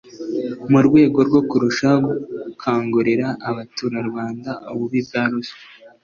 mu rwego rwo kurushaho gukangurira abaturarwanda ububi bwa ruswa